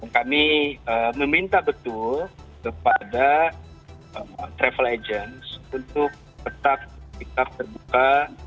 kami meminta betul kepada travel agents untuk tetap terbuka